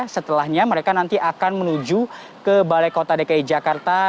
setelahnya mereka nanti akan menuju ke balai kota dki jakarta